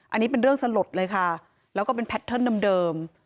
อันนี้เป็นเรื่องสลดเลยค่ะแล้วก็เป็นแพทเทิร์นเดิม